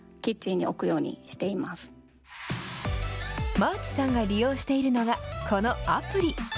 まあちさんが利用しているのが、このアプリ。